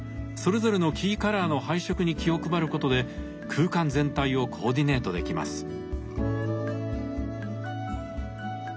それぞれのキーカラーの配色に気を配ることで空間全体をコーディネートできます。